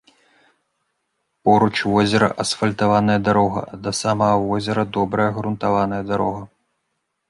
Поруч возера асфальтаваная дарога, а да самага возера добрая грунтавая дарога.